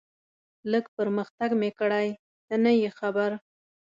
لږ پرمختګ مې کړی، ته نه یې خبر.